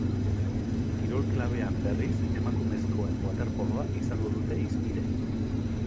Kirol klabean, berriz, emakumezkoen waterpoloa izango dute hizpide.